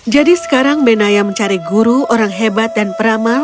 jadi sekarang benayal mencari guru orang hebat dan peramal